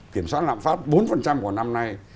kiểm soát lạm pháp bốn của năm nay